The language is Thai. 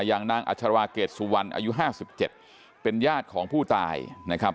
อย่างนางอัชราเกรดสุวรรณอายุ๕๗เป็นญาติของผู้ตายนะครับ